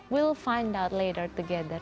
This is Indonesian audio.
kita akan menemukan kembali